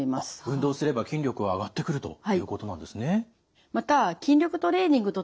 運動すれば筋力は上がってくるということなんですね。